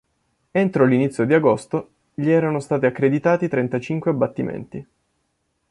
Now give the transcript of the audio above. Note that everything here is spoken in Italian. Entro l'inizio di agosto gli erano state accreditati trentacinque abbattimenti.